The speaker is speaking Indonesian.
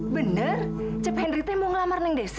bener cep henry mau ngelamar neng desi